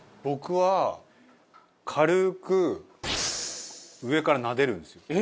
僕は軽く上からなでるんですよ。